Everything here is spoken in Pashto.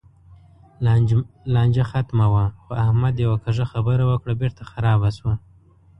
لانجه ختمه وه؛ خو احمد یوه کږه خبره وکړه، بېرته خرابه شوه.